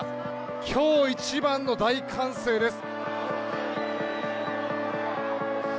今日一番の大歓声です。